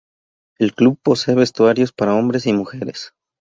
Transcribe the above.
El club posee vestuarios para hombres y mujeres.